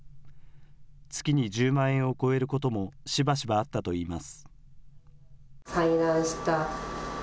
月に１０万円を超えることもしばしばあったといいます。